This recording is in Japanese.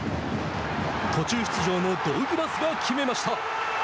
途中出場のドウグラスが決めました。